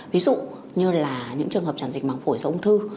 ví dụ như là những trường hợp tràn dịch măng phổi do ung thư